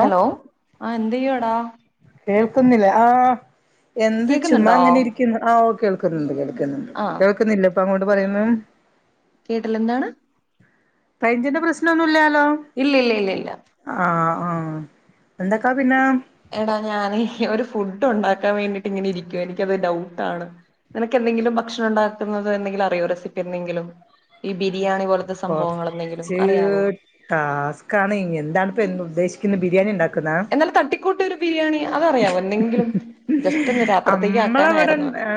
Hello ആ എന്ത് ചെയ്യാടാ കേൾക്കുന്നില്ല ആ് എന്ത് ചുമ കേക്കുന്നുണ്ടോ അങ്ങനെ ഇരിക്കുന്നു ആഓ കേൾക്കുന്നുണ്ട് കേൾ ക്ക്ന്ന്ണ്ട് ആ കേൾക്കുന്നില്ലെ ഇപ്പ അങ്ങോട്ട് പറയുന്നെ കേട്ടില്ല എന്താണ് റെയ്ഞ്ച്ൻ്റെ പ്രശ്നൊന്നും ഇല്ലാ ഇല്ല ഇല്ല ഇല്ല ആഹ് എന്താക്കാ പിന്നെ എടാ ഞാൻ ഒരു ഫുഡ് ഉണ്ടാക്കാൻ വേണ്ടിട്ട് ഇങ്ങനെ ഇരിക്കാ എനിക്കത് ഡൗട്ടാണ് നിനക് എന്തെങ്കിലും ഭക്ഷണം ഉണ്ടാകുന്നത് എന്തെങ്കിലും അറിയോ റെസിപ്പി എന്തെങ്കിലും ഈ ബീ കൊറ്ച്ച് ടാസ്കാണ് എന്താണ് ഇപ്പൊ ഉദ്ദേശിക്കുന്ന ബിരിയാണി ഉണ്ടാക്ക എന്നാല് തട്ടിക്കൂട്ട് ഒരു ബിരിയാണി അതറിയാമോ എന്തെങ്കിലും ജസ്റ്റ് ഒന്ന് രാത്രത്തേക്ക് അമ്മളവിടെ ആക്കാനായിരുന്നു ആ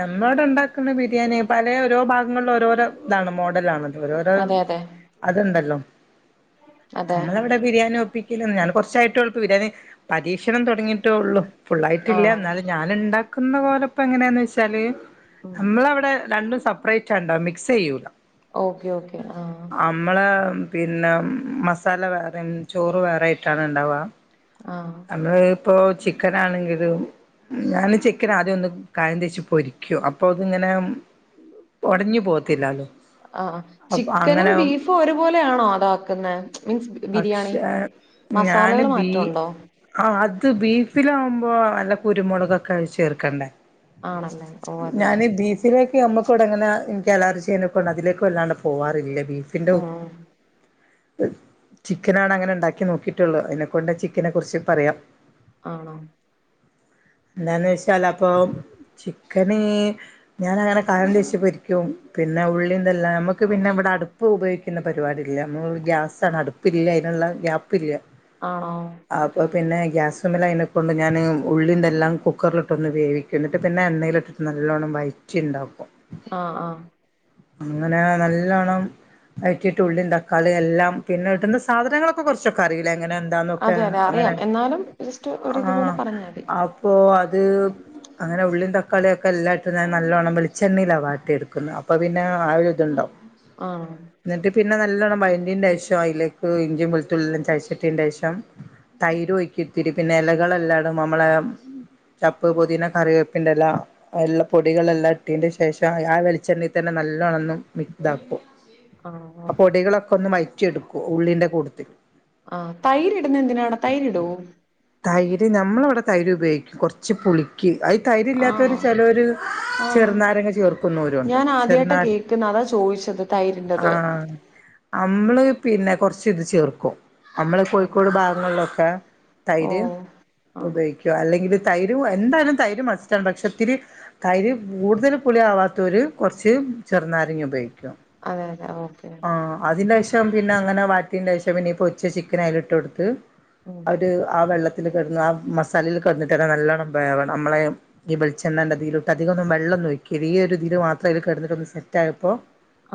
നമ്മളവിടെ ഉണ്ടാക്കുന്ന ബിരിയാണി പലേ ഓരോ ഭാഗങ്ങളില് ഓരോരോ ഇതാണ് മോഡല് ആണ് ഓരോരോ അതെ അതെ അതുണ്ടല്ലോ അതെ നമ്മള് ഇവിടെ ബിരിയാണി ഒപ്പിക്കല് ഞാൻ കൊറ കൊർച് [unintelligible] ആയിട് ഒള്ളൂ ബിരെണി പരീക്ഷണം തുടങ്ങിട്ടേള്ളു ഫുള്ളായിട്ടില്ല ആണോ ഇന്നാലും ഞാൻ ഉണ്ടാക്കുന്ന പോലെ പ്പോ എങ്ങനെയാന്ന് വെച്ചാല് ഉം നമ്മളവിടെ രണ്ടും സെപ്പറേറ്റാ ഇണ്ടാവ മിക്സ് ചെയ്യൂല ഓക്കെ ഓക്കേ ആ നമ്മള് പിന്നെ മസാല വേറിം ചോറ് വേറൊയിട്ടാണ് ഉണ്ടാവുക ആ നമ്മള് [unintelligible] ഇപ്പൊ ചിക്കൻ ആണെങ്കിലും ഞാൻ ചിക്കന് ആദ്യം ഒന്ന് കായം തേച്ച് പൊരിക്കും അപ്പൊ ഇത്ങ്ങനെ ഒടഞ്ഞു പോവത്തില്ലാലോ ആ ചിക്കനും ബീഫും ഒരുപോലെയാണോ അതാക്കുന്നെ മീൻസ് ബിരിയാണി പക്ഷേ ഞാന് മസാലകൾ ബീ മാറ്റമുണ്ടോ ആ ഇത് ബീഫില് ആവുമ്പോൾ നല്ല കുരുമുളക് ഒക്കെ ചേർക്കണ്ടേ ആണല്ലേ ഓ അതെ അതെ നമ്മക്ക്‌ ഇവിടെങ്ങനെ ഇന്ക് [unintelligible] എലാവരും ചെയ്യനകൊണ്ട് അതിലേക് വല്ലാണ്ട് പോവാറില്ല ബീഫിന്റെ ഉം ചിക്കനാണ് അങ്ങനെ ഉണ്ടാക്കി നോക്കിയിട്ടുള്ളു അതിനെക്കൊണ്ട് ചിക്കനെ കുറിച്ച് പറയാം ആണോ എന്താന്ന് വെച്ചാല് അപ്പൊ ചിക്കന് ഞാന് അങ്ങനെ കായം തേച്ച് പൊരിക്കും പിന്നെ ഉള്ളി ഇതെല്ലാം നമുക്ക് പിന്നെ ഇവിടെ അടുപ്പ് ഉപയോഗിക്കുന്ന പരിപാടിയില്ല നമ്മൾ ഗ്യാസാണ് അടുപ്പ് ഇല്ല അതിനുള്ള ഗ്യാപ്പ് ഇല്ല ആണോ ഓക്കെ അപ്പൊ ഓക്കെ പിന്നെ ഗ്യാസ്മ്മല് ആയിന കൊണ്ട് ഞാൻ ഉള്ളിന്തെല്ലാം കുക്കറിലിട്ടൊന്ന് വേവിക്കും ഇന്നിട്ട് പിന്നെ എണ്ണയില് ഇട്ടിട്ട് നല്ലോണം വയറ്റി ഉണ്ടാക്കും ആ ആ അങ്ങനെ നല്ലോണ്ണം വയറ്റിയിട്ട് ഉള്ളീം തക്കാളി എല്ലാം പിന്നെ സാധനങ്ങളൊക്കെ കൊറച്ചൊക്കെ അറിയും എങ്ങനെ എന്താന്നൊക്കെ അതെ അതെ അറിയാം അങ്ങനെ എന്നാലും ജസ്റ്റ് ആ ഒരിതുപോലെ പറഞ്ഞാൽ മതി അപ്പോ [unintelligible] അങ്ങനെ ഉള്ളിയും തക്കാളി ഒക്കെ എല്ലായിട്ടും ഞാൻ നല്ലോണം വെളിച്ചെണ്ണയിലാ വാട്ടി എടുക്കുന്നെ അപ്പൊ പിന്നെ ആ ഒരു ഇതുണ്ടാവും ആ എന്നിട്ട് പിന്നെ നല്ലോണം വയന്റീന് ശേഷം അയ്ലേ ഇഞ്ചും വെളുത്തുള്ളീം എല്ലാം ചതച്ചിട്ടിന്റെ ശേഷം തൈര് ഒയ്കും ഇത്തിരി പിന്നെ ഇലകള് എല്ലാടും നമ്മളെ [unintelligible] ചപ്പ് പൊതീന കറിവേപ്പിന്റെല എല്ലാ പൊടികളെല്ലാ ഇട്ടീന്റെ ശേഷം ആ വെളിച്ചെണ്ണയിൽ തന്നെ നല്ലോണൊന്നും മിക്‌ താക്കും ആഹ് ഒന്ന് വയറ്റിയെടുക്കു ഉള്ളിന്റെ കൂടത്തില് ആഹ് തൈരിടുന്നെ എന്തിനാ തൈരിടോ തൈര് നമ്മളവിടെ തൈര് ഉപയോഗിക്കും കുറച്ച് പുളിക്ക് അത് തൈര്ല്ലാതോര് ആണോ ചേലോര് ആഹ് ഞാൻ ആദ്യായിട്ടാ ചെറുനാ കേക്കുന്ന അതാ ചോദിച്ചത് തൈര്ന്റത് [inaudible] നമ്മള് പിന്നെ കൊറച്ച് ഇത് ചേർക്കും നമ്മള് ആണോ കോഴിക്കോട് ഭാഗങ്ങളിലൊക്കെ ഓ തൈര് ആണോ ഉപയോഗിക്കവല്ല എന്തെക്കില് തൈര് എന്തായാലും തൈര് മാസ്റ്റാണ് പക്ഷെ ഇത്തിരി തൈര് കൂടുതൽ പുളി ആവാത്ത ഒരു കെറച്ച് റച്ച് ചെറുനാരങ്ങാ ഉപയോഗിക്കും അതെ അതെ ഓക്കെ ആ അതിൻ്റെ ആവിശ്യ പിന്നെഎന്തിനാഅങ്ങെനെ വാട്ടിന്ന്ചോദിച്ചാ പിന്നെഈപൊരിച്ച ചിക്കൻ അതില് ഇട്ട് കൊടുത്ത് ഉം ത്ത് ആ വെള്ളത്തിൽകിടന്ന്ആ മസാലയിൽകിടന്നിട്ട്തന്നെ നല്ലോണ്ണംവേവണം നമ്മളെ ഈ വെളിച്ചെണ്ണതന്നെതിരു ട്ടധികം ഒന്ന് വെള്ളംഒന്നുംഒഴിക്കല്ല് ഈയൊരു ഇതില് മാത്രം അയില് കെടന്നിട്ട് ഒന്ന് സെറ്റ് ആയപ്പോ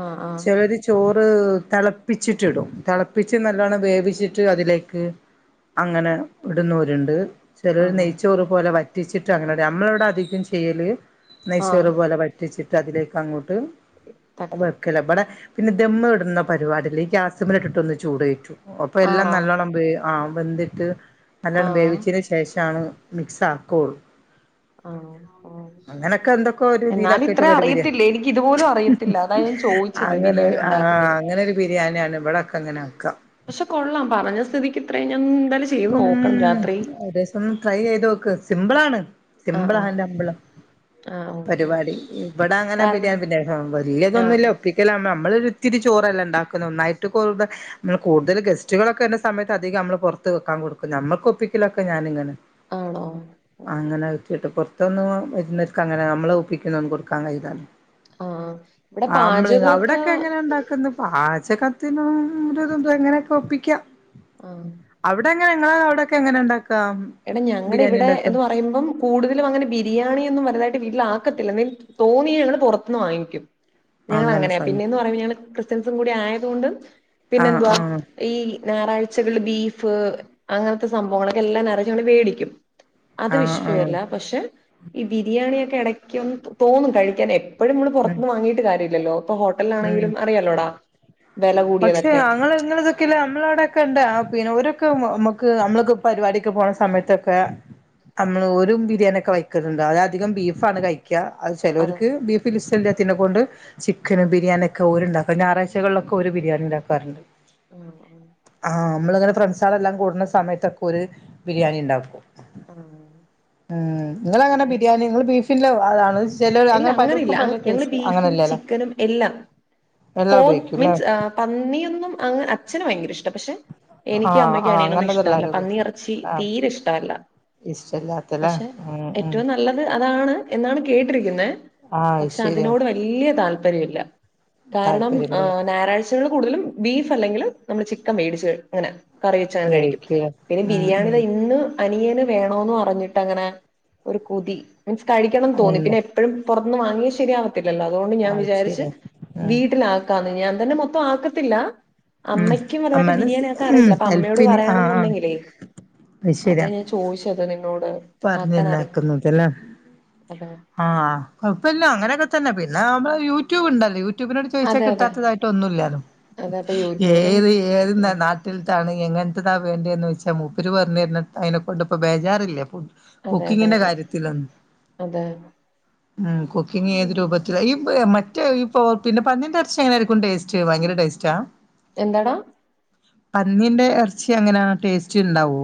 ആഹ് ആഹ് ചിലര് ചോറ് ത് തിളപ്പിച്ചിട്ട് ഇടുംതിളപ്പിച്ച് നല്ലോണ്ണം വേവിച്ചിട്ട് അതിലേക്ക് അങ്ങനെ ഇടുന്നോരുണ്ട് ചെലര് ആണോ നെയ്ച്ചോറ് പോലെ വറ്റിച്ചിട്ട് [unintelligible] നമ്മളിവിടെ അധികം ചെയ്യല് ആഹ് നെയ്ച്ചോറ് പോലെ വറ്റിച്ചിട്ട് അതിലേക്ക് അങ്ങോട്ട് [unintelligible] തട്ട് വെക്കല് ഇബടെ പിന്നെ ദമ്മ് ഇടുന്നപരിപാടില്ലേ ഈ ഗ്യാസിമേല് ഇട്ടിട്ടൊന്ന്ചൂട്കേറ്റും അപ്പോ എല്ലാം ആണോ നല്ലോണം ബേ ആ വെന്തിട്ട് നല്ലവണ്ണം ആഹ് വേവിച്ചതിന് ശേഷാണ് മിക്സ് ആക്കു ഉള്ളൂ ആഹ് ആഹ് അങ്ങനൊക്കെഎന്തൊക്കെഒരു എന്നാലും ഇത്ര ഇതിയിലക്കിട്ടരുബിരി അറിയത്തില്ല എനിക്ക് ഇതുപോലും അറിയത്തില്ല അതാ ഞാൻ ചോദിച്ചത് അങ്ങെനോര് ബിരിയാണി ആ ഉണ്ടാക്കുന്നത് അങ്ങനെ ഒരു ബിരിയാണിയാണ് ഇവിടൊക്കെ അങ്ങനെ ആക്കാ പക്ഷെ കൊള്ളാം പറഞ്ഞസ്ഥിതിക്ക് ഇത്രയും ഞാൻമ്മ് ക്കും ഒരീസം ഒന്ന് ട്രൈ ചെയ്ത് നോക്ക് സിംമ്പിൾ ആണ് ആഹ് സിംമ്പിള് ആഹ് ആൻഡ് ഹമ്പിളാ ആഹ് ഓക്കെ പരിപാടി ഓക്കെ ഇവിടെ അങ്ങനെ കാരണം ബിരിയാ പിന്നെ വല്ല്യ ആഹ് ഇതൊന്നുല്ല ഒപ്പിക്കലാ നമ്മളൊരു ഇത്തിരിചോറ്ല്ലേഇണ്ടാക്കുന്ന ഒന്നായിട്ട് കൂടുത നമ്മ കൂടുത ഗസ്റ്റുകളൊക്കെള്ളസമയത്ത് അധികംനമ്മള് പുറ ത്ത് വെക്കാൻ കൊടുക്കും ഞമ്മൾക്ക് ഒപ്പിക്കലൊക്കെ ഞാനിങ്ങനെ ആണോ അങ്ങനെപൊറത്ത് ത്തൂന്ന് വരുന്നൊര്ക്ക്ങ്ങനെ നമ്മളെഒപ്പിക്കല് അങ്ങനെന്നും കൊടുക്കാകഴിയൂല ആഹ് ഇവിടെ ആ അമ്മള് പാചകൊക്കെ അവിടൊക്കെ എങ്ങനെ ഇണ്ടാക്കുന്ന പാചകം [unintelligible] ഒരുവിധം എന്തുവാ ഇങ്ങനെയൊക്കെ ഒപ്പിക്കാം ആഹ് അവിടെ എങ്ങനെങ്ങളാ അവിടെ എങ്ങനെക്കെയാഇണ്ടാക്ക് എടാ ഞങ്ങടെ ഇവിടെ എന്ന് പറയുമ്പം കൂടുതലും അങ്ങനെ ബിരിയാണിയൊന്നും വലുതായിട്ട് വീട്ടിലാക്ക ക്കത്തില്ലന്നെ തോന്നിയാ ഞങ്ങള് പുറത്ത്ന്ന് വാങ്ങിക്കും അങ്ങനെ ഞങ്ങളങ്ങനെയാ സം പിന്നെന്ന് പറയുമ്പോൾ ഞങ്ങള് ക്രിസ്ത്യ [unintelligible] കൂടെ ആയതുകൊണ്ട് പിന്നെ ആഹ് എന്തുവാ ആഹ് ഈ ഞായറാഴ് ച്ചകള് ബീഫ് അങ്ങനത്തെ സംഭവങ്ങളൊക്കെ എല്ലാംഞായറാഴ്ചയുംഇവിടെ വേടിക്കും. അത് ആഹ് ആഹ് വിഷയല്ല പക്ഷെ ഈ ബിരിയാണിയൊക്കെ എടക്കൊന്ന് തോന്നും കഴിക്കാൻ എപ്പ് എപ്പഴും മ്മള് ഉം പുറത്തുനിന്ന് വാങ്ങിയിട്ട് കാര്യയില്ലല്ലോ ഇപ്പ ഉം ഹോട്ടലിലാണെങ്കിലും അറിയാലോടാ വില പക്ഷെ കൂടിയതൊക്കെ അങ്ങള് ഇങ്ങനതൊക്കെല്ല നമ്മള അവിടടൊക്കെ ഉണ്ട് ആപിന്നെ ഒരു ക്ക് മ്മക്ക് മ്മക്ക് നമ്മളൊക്കെ പരിപാടിക്ക് പോണ സമയത്തൊക്കെ നമ്മള് ഓരുംബിരിയാണി ഒക്കെവെക്കലിണ്ടോഅത്അധികം ബീഫാണ്കഴി ക്കാ അത് അതെ ചെലോര്ക്ക് ബീഫില് ഇഷ്ട്ടയില്ലാത്തോ നെ കൊണ്ട് ചിക്കനും ബിരിയാണിയൊക്കെ ഒര് ഇണ്ടാക്കും ഞായറഴ്കളിലൊക്കെ ഓര് ബിരിയാണി ഉണ്ടാക്കാറുണ്ട് ആ അഹ്‌ ആ നമ്മളിങ്ങനെ ഫ്രണ്ട്സാളെല്ലാം കൂടണ സമയത്തൊക്കെ ഓര് ബിരിയാണി ഇണ്ടാക്കും ആഹ് ആ ഇങ്ങളെ എങ്ങനെ പിന്നെ ബിരിയാണി ഇങ്ങള് ബീഫില്ലോ അതാണ് ഇല്ല ചിലര്അങ്ങനെ അങ്ങനെയില്ല പലർക്കും ഞങ്ങള് പലടേസ്റ്റ് ബീഫും അങ്ങനില്ലല്ലോ ചിക്കനും എല്ലാ ബേക്കില്ലേ ആ പന്നിയൊന്നും അങ്ങഅ അച്ഛനും ഭയങ്കര ഇഷ്ടാ പക്ഷെ ആഹ് എനിക്കുംഅമ്മയ്ക്കും ആഹ് അനിയനൊന്നും അങ്ങനത് ഇഷ്ടല്ല എല്ലാരും പന്നി എറച്ചി ഉപയോഗിക്കും ആഹ് തീരെ ഇഷ്ടല്ല ഇഷ്ടല്ലാത്തല്ലേ പക്ഷെ ഉം ഉം ഏറ്റവും നല്ലത് അതാണ് എന്നാണ് കേട്ടിരിക്കുന്നെ ആഹ് അത് പക്ഷെ ശരിയാ അതിനോട് വാല്ല്യതാല്പര്യമില്ല കാരണം താല്പര്യല്ലല്ലേ ആഹ് ഞായറാഴ്ചകൾ കൂടുതലും ബീഫ് അല്ലെങ്കിൽ നമ്മള് ചിക്കൻ മേടിച്ച് അങ്ങനെ കറിവെച്ചാ ഞാൻ കഴിക്കും ഉപയോഗിക്കൂല പിന്നെ ഉം ഉം ബിരിയാണിയിതാ ഇന്ന് അനിയന് വേണോന്ന് അറിഞ്ഞിട്ട് അങ്ങനെ ഒരു കുതി മീൻസ് കഴിക്കണംന്ന് തോന്നി അതന്നെ പിന്നെ എപ്പോഴും പൊറത്തുനിന്ന് വാങ്ങിയ ശരിയാവത്തില്ലല്ലോ അതുകൊണ്ട് ഞാൻ അത് വിചാരിച്ച് ശരിയാ ഉം വീട്ടിലാക്കാന്ന് ഞാൻ അതന്നെ മൊത്തം ആക്കത്തില്ല ഉം അമ്മയ്ക്കും വറുതായിട്ട് അമ്മാനെ ബിരിയാണി സ് ആക്കാ ഉം അറിയില്ല അപ്പൊ അമ്മയോട് ഹെൽപ്പിന് ആഹ് ആഹ് പറയാണെന്നുണ്ടെങ്കിലേ അതാ ഞാൻ ചോദിച്ചത് നിന്നോട് ആക്കാൻ അറിയോ പറഞ്ഞുന്നാക്കുന്നതല്ല അതെ ആഹ് അപ്പല്ല അങ്ങനൊക്കെ തന്നെ പിന്നെ നമ്മ യൂട്യൂബ്ണ്ടല്ലേ യൂ ടൂബിനട് ചോയ്ദിച്ചാൽ അതെ അതെ കിട്ടാത്തതായിട്ടൊന്നുമില്ലല്ലോ അതെ അപ്പൊ യൂട്യൂബിലും ഏറി ഏറിന്താ ഉം നാട്ടിൽ താണ് എങ്ങനത്തെതാ വേണ്ടേന്ന് വെച്ചാൽ മൂപ്പര് പറഞ്ഞുര അതിനെ കൊണ്ട് ഇപ്പോ ബേജാറില്ലേ ഫുഡ് അതെ അതെ കുക്കിങ്ങിന്റെ അതെ കാര്യത്തിന്ന് അതെ ഉം കുക്കിംഗ ഏതു രൂപത്തിൽ ഇപ്പോ പിന്നെ പന്നിന്റെരച്ചി എങ്ങന ആയിരിക്കും ടേസ്റ്റ് ഭയങ്കര ടേസ്റ്റാ എന്താടാ പന്നീന്റെ ഇറച്ചി അങ്ങനെയാണ് ടേസ്റ്റ് ഉണ്ടാവോ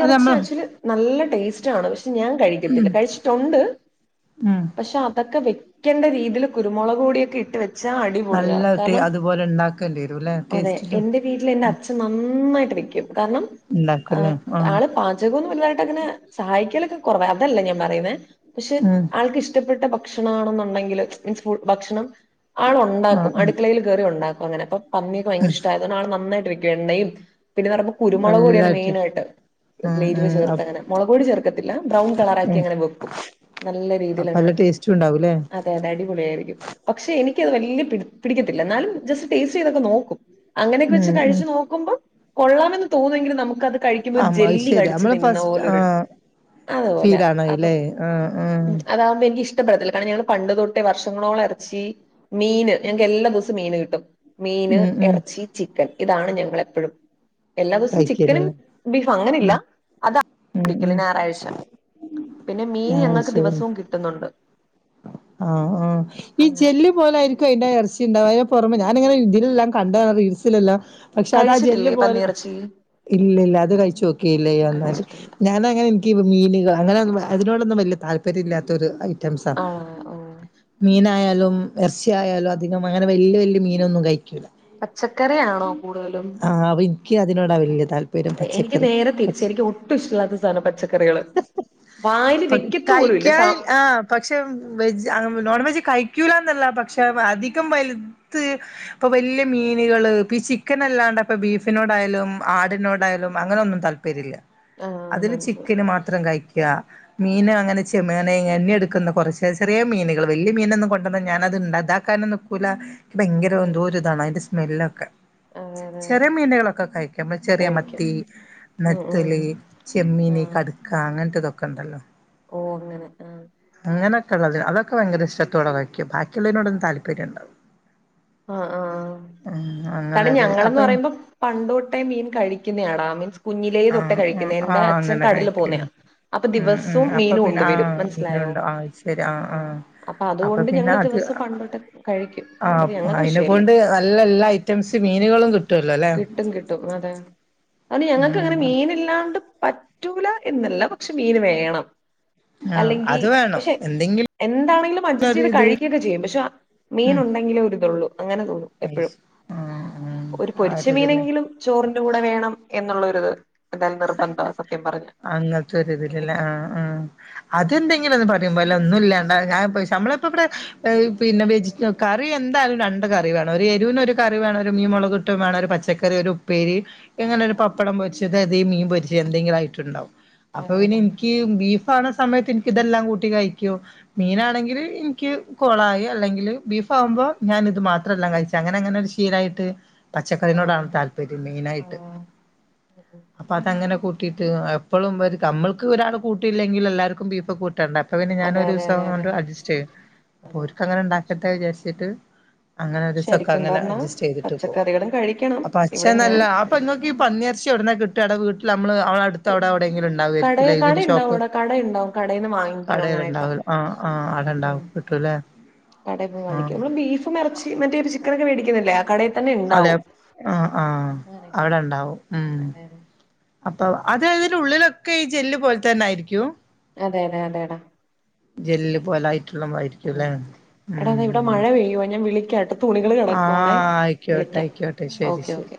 അത് നമ്മൾ ആക്ച്വലി നല്ല ടേസ്റ്റ് ആണ് പക്ഷെ ഞാൻ കഴിക്കത്തില്ല കഴിച്ചിട്ടുണ്ട് ഉം പക്ഷെ അതൊക്കെ വെക്കേണ്ട രീതിയിൽ കുരുമുളക് കൂടിയൊക്കെ ഇട്ട് വെ അ അടിപൊളിയ നല്ല ടേ കാരണം അതുപോലെ ഉണ്ടാക്കേണ്ടി വരും അല്ലെ അതെ ടേസ്റ്റില് എന്റെ വീട്ടിൽ എന്റെ അച്ഛൻ നന്നായിട്ട് ക്കും കാരണം ആ് ഉണ്ടാക്കുംല്ലേ ആഹ് ആള് പാചകം വലുതായിട്ട് അങ്ങനെ സഹായിക്കലൊക്കെ കുറവ അതല്ലേ ഞാൻ പറയുന്ന പക്ഷെ ഉം ആൾക്ക് ഇഷ്ടപ്പെട്ട ഭക്ഷണമാണെന്നുണ്ടെങ്കില് മീൻസ് ഫു ഭക്ഷണം ആൾ ആഹ് ഉണ്ടാക്കും ആഹ് അടുക്കളയിൽയറി ആൾ ഉണ്ടാക്കും അങ്ങനെ അപ്പ പന്നിയൊക്കെ ഭയങ്കര ഇഷ്ടമായതോണ്ട് ആൾ നായിട്ട് പിന്നെ നട കുരുമുളക് പൊടിയാണ് എല്ലാം മെയി ഇട്ടിട്ട് ഉം വ് ഉം അ ചേർത്ത്ങ്ങെ മുളകോട് ചേർക്കത്തില്ല ബ്രൺ കളറി ഉം അങ്ങനെ വെക്കും നല്ല അപ്പ രീതിൽങ്ങ നല്ല ടേസ്റ്റും ഉണ്ടാവൂല്ലേ അതെ അതെ അടിപൊളിയ ആയിരിക്കും പക്ഷെ എനിക്ക് വ പിടിക്കത്തില്ല എന്നാലും ജസ്റ്റ് ടേസ്റ്റ് ചെയ്തൊക്കെ നോക്കും അങ്ങനെയൊക്കെ ഉം വെച്ച് ഉം കഴിച്ചു നോക്കുമ്പോൾ കൊള്ളാമെന്ന് തോന്നെങ്കിലിൽ നമുക്ക്ത് കഴിക്കുമ്പോ ഒരു ആമ്മ അത് ജെല്ലി ശരി കടിച്ചു നമ്മള് തിന്നുന്ന ഫസ്റ്റ് ആ പോലെരു അതുപോലെ അപ്പം ഫീലാണല്ലേ ആ ആ അതകുമ്പോ എനിക്ക് ഇഷ് ഇഷ്ടപ്പെടത്തില്ല കാരണം ഞങ്ങൾ പണ്ട് തൊട്ടേ വർഷങ്ങളോള ഇറച്ചി മീന് ഞങ്ങൾക്ക് എല്ലാ ദിവസവും മീന് കിട്ടും മീന് ഉം ഉം ഇറച്ചി ചിക്കൻ ഇതാണ് ഞങ്ങളെപ്പോഴും എല്ലാ ദിവസവും ചിക്കനും കഴിക്കലല്ലേ ബീഫ് അങ്ങനെല്ല ഉം അത് ഉം [inaudible] ഉം ഞായറാഴ്ച പിന്നെ മീൻ ഞാൻ ഞങ്ങൾക്ക് കഴിച്ചേക്കണ് ദിവസവും കിട്ടുന്നുണ്ട് ആഹ് ആ ഈ അങ്ങനെ ജെല്ല് പോലൊയിരിക്കും അതിന്റെ ഇറച്ചി ഉണ്ടാവ പുറമെ ഞാാനിങ്ങനെ ഇതിലെല്ലാം കണ്ടതണം റീൽസിലെല്ലാം പക്ഷെ അതാ ജെല് കഴിച്ചിട്ടില്ലേ പോലെ പന്നിയിറച്ചി? ഇല്ല ഇല്ല അത് കഴിച്ചു നോക്കിയില്ല വന്നാട്ട് കഴിച്ചിട്ടില്ല. ഞാനങ്ങനെ എനിക്ക് മീന അങ്ങനെ അതിനോടൊന്നും വലിയ താല്പര്യമില്ലാത്തൊ ഒരു ഐറ്റംസ് ആണ് ആഹ ആഹ ആയാലും ഇറച്ചയായാലും അധികം അങ്ങനെ വലിയ വലിയ മീനൊന്നും കഴിക്ക പച്ചക്കറി ആണോ ആഹ് അപ്പൊ എനിക്ക് അതിനോടാ വല്യ താല്പര്യം എനിക്ക് പച്ചക്കറി നേരെ തിരിച്ചു പക്ഷെ എനിക്ക് ഒട്ടും ഇഷ്ടമില്ലാത്ത സാധനം പച്ച ക്കറികള് യ്ക്കൻ ആഹ പക്ഷെ വെജ് നോൺ വെജ് കഴിക്കൂല എന്നല്ല പക്ഷെ അധികം വലുത് ഇപ്പ വലിയ മീനുകള് ചിക്കൻ അല്ലാണ്ട് ഇപ്പൊ ബീഫിനോടായാലും ആടിനോടായാലും അങ്ങനെ ഒന്നും താല്പര്യമില്ല ആഹ് അതില് മനസ്സിലായി ചിക്കന് മാത്രം കഴിക്കുക മീന അങ്ങനെ ചെമേനങ്ങന്നെ എടുക്കുന്ന കുറച്ച ചെറിയ മീനുകൾ വലിയ മീനൊന്നും കൊണ്ടുവന്ന ഞാന അത് ഇണ്ട് അതാക്കാനും നിക്കൂല ഭയങ്കര ഉം എന്തോ ഇതാണ് അതിന്റെ സ്മെല്ലൊക്കെ അതെ അതെ ചെറിയ മീനകളൊക്കെ കഴിക്ക ചെറിയ കഴിക്കും മത്തി ഉം നത്തല് ഉം ചെമ്മീനി ആഹ് ക ടുക്ക അങ്ങനത്തെ ഇതൊക്കെ ഉണ്ടല്ലോ ഓ അങ്ങനെ ആ അങ്ങനെയൊക്കെ ഉള്ളത് അതൊക്കെ ഭയങ്കര ഇഷ്ടത്തോടെ വയ്ക്കും ബാക്കിയുള്ളതിനോട ഒന്ന് താല്പര്യം ഉണ്ടാവല ആ ആ [unintelligible] അങ്ങനൊരു ഞങ്ങളെന്ന് അപ്പൊ പറയുമ്പം പണ്ടു തൊട്ടേ മീൻ കഴി ക്കിന്നെയാടാ മീൻസ് കുഞ്ഞിലേ തൊട്ടെ ആഹ് ആഹ് കഴിക്ക്ന്നെ എന്റെ ആഹ് അച്ഛൻ അങ്ങനെ കടിലിൽ കഴിക്കുന്നു പോവുന്നെയാ അപ്പ ഉം ഉം ദിവസും മീൻ അപ്പൊ പിന്നെ കൊണ്ടുവരും ആഹ് മനസ്സിലായോ മീനുണ്ടോ ആഹ് ശരി ആഹ് ആ ആഹ് അപ്പൊ അതുകൊണ്ട് ഞങ്ങള് ദിവ സം കൺവേട്ടണ്ട് കഴിക്കും അയു അയിനെക്കൊണ്ട് നല്ല എല്ലാ ഐറ്റംസ് മീനുകളും കി കിട്ടും കിട്ടും അതെ അതൊണ്ട് ഞങ്ങക്ക് അങ്ങനെ ഉം മീൻ ഇല്ലാണ്ട് പറ്റൂല എന്നല്ല പക്ഷെ മീന് വേണം ആ അല്ലെങ്കിൽ അത് വേണം പക്ഷെ എന്തെങ്കിലും എന്താണെങ്കിലും അഡ്ജസ്റ്റ് ഒരു ചെയ്ത് ഇത് കഴിക്കു ഒക്കെ ചെയ്യും പക്ഷെ മീൻ ഉം ഉണ്ടെങ്കിലേ ഒരുതൊള്ളൂ അങ്ങനെ തോന്നും ഐസ് എപ്പഴും ആഹ് ആഹ് ഒരു ആ പൊരിച്ച ഒരിതില് മീനെങ്കിലും ചോറിന്റെ കൂടെ വേണം എന്നുള്ള ഒരിത് എന്തായാലും നിർബന്ധവാ സത്യം പർഞ്ഞാ അങ്ങൻത്ത ഒര് ഇതിലെ ആ ആ അതെന്തെങ്കിലും ഒന്ന് പറയുമ്പോലെ ഒന്നു ഇല്ല [unintelligible] നമ്മൾ എപ്പളപ്പടെ അയ് പിന്നെ വെജ്റ്റ കറി എന്തായാലും രണ്ട് കറി വേണം ഒരു എരുന് ഒര് കറി കറി വേണം ഒരു മീൻ മൊളക് ഇട്ടയും വേണം ഒരു പച്ചക്കറി ഒരു ഉപ്പേരി അയിക്ക് അങ്ങനെ ഒരു പപ്പടം പൊരിച്ചത് അതേ മീൻ പൊരിച്ചെ എന്തെങ്കിലും അയിട്ട് ഇണ്ടാവും അപ്പ അതെ പിന്നെ അതെ ഇൻക്ക് ബീഫാണ് ഇഷ്ടം സമയത്ത് ഇൻക്ക് ഇതെല്ലാം കൂട്ടി കഴിക്കോ മീനാണെങ്കിൽ ഇൻക്ക് കൊളായി അല്ലെങ്കിൽ ബീഫ് ആവു അപ്പൊ ഞാൻ ഇത് മാത്ര എല്ലാം കഴിച്ച് അങ്ങനെ അങ്ങനെ ഒരു ശീലായിട്ട് പച്ചക്കറനോടാണ് ആഹ് താല്പര്യം മെയിനായിട്ട് ആഹ് അപ്പൊ അതങ്ങനെ കൂ ട്ട് എപ്പളും നമ്മൾക്ക് ഒരാൾ കൂട്ടിയില്ലെങ്കിൽ എല്ലാര്ക്കും ബീഫ് കൊ ട്ട്ണ്ട് അപ്പ പിന്നെ ഞാൻ അതെ അതെ ഒരുസം അതെ കൊണ്ട് അതെ അഡ്ജസ്റ്റ് ചെയ്ത് അതെ ഓര്ക്ക് അങ്ങനെ ഇണ്ടാക്കട്ടെ വിചാര്ച്ചിട്ട് അങ്ങനെ ഒരുസൊക്കെ ശരിക്കും അങ്ങനെ പറഞ്ഞാ അഡ്ജസ്റ്റ് ചെയ്തിട്ട് പോകും പച്ചക്കറികളും കഴിക്കണം അപ്പ ഇവിടെ അച്ഛൻ ഞാൻ അല്ല അപ്പ ഇങ്ങക്ക് ഈ പന്നി അ ച്ചി ഒട്ന്നാ കിട്ടാ അയുടെ വീട്ടിൽ അമ്മള് അ ഇങ്ങളെ അട്ത്ത് അയുടെ അയുടെങ്കിലും കട ഇണ്ടാവായിരിക്കും കട ഇതിന്റെ ഉണ്ടാവും ഷോപ്പ് ഇവിടെ കട ഉണ്ടാവും കടയിൽന്ന് വാങ്ങിക്കും കടേൽ അങ്ങനെയൊക്കെ ഇണ്ടാവും ആ ആ അടെണ്ടാവും കിട്ടൂലേ കട പോയി വാങ്ങിക്കാം നമ്മൾ ബീഫും എറച്ചി മറ്റേ ചിക്കൻ ഒക്കെ മേടിക്കുന്നില്ലേ കട അതെ പ്പ് ആ ആ അങ്ങനെയൊക്കെ അവ്ടെ ഇണ്ടാവും ഉം അതെതെ ട്ടോ അത് അതിന്റെ ഉള്ളിലൊക്കെ ഈ ജെല് പോല് തെന്നായിരിക്കും. അതെ അതെ അതെടാ ജെല്ല് പോലായിട്ടുള്ള മായിരിക്കു ഉം ലെ ഉം എടാ ഇവിടെ മഴ ഉം പെയ്യുവാ ഞാൻ വിളിക്കാട്ടോ തുണികള് കിടക്കുവാണേ ആഹ് അയ്ക്കോട്ടെ വിളിക്കാം അയ്ക്കോട്ടെ ശെരി ഓക്കെ ശെരി ഓക്കെ